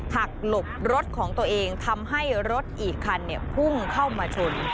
หักหลบรถของตัวเองทำให้รถอีกคันพุ่งเข้ามาชน